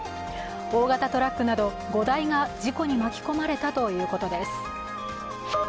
大型トラックなど５台が事故に巻き込まれたということです。